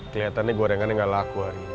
keliatannya gorengannya enggak laku hari ini